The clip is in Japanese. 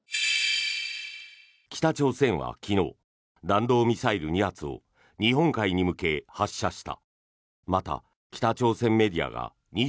北朝鮮は昨日弾道ミサイル２発を日本海に向け、発射した。